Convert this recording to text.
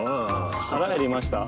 腹減りました。